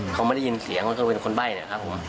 เขาไม่ได้ยินเสียงว่าเขาเป็นคนใบ้นะครับผม